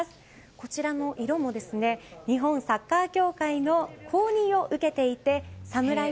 こちらの色も日本サッカー協会の公認を受けていてサムライ